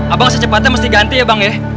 abang secepatnya mesti ganti ya bang ya